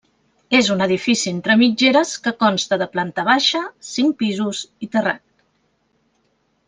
És un edifici entre mitgeres que consta de planta baixa, cinc pisos i terrat.